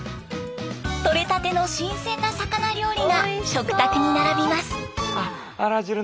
取れたての新鮮な魚料理が食卓に並びます。